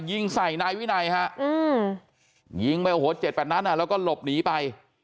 ยิงใส่นายวินัยฮะยิงไปโอ้โห๗๘นัดแล้วก็หลบหนีไป